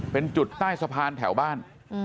เป็นจุดใต้สะพานแถวบ้าน